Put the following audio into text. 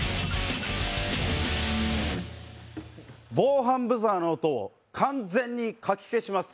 防犯ブザーの音を完全にかき消します。